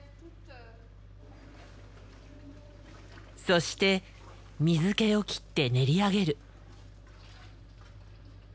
そして水けを切って練り上げる。